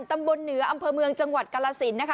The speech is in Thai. ตำบลเหนืออำเภอเมืองจังหวัดกราศิลป์